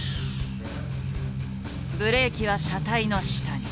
ブレーキは車体の下に。